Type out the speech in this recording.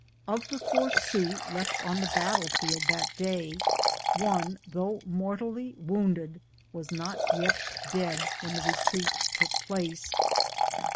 Of the four Sioux left on the battle field that day, one, though mortally wounded, was not yet dead when the retreat took place.